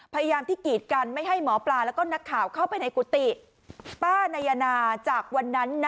พยายามที่กีดกันไม่ให้หมอปลาแล้วก็นักข่าวเข้าไปในกุฏิป้านายนาจากวันนั้นนะ